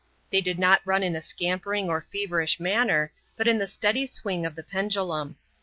They did not run in a scampering or feverish manner, but in the steady swing of the pendulum.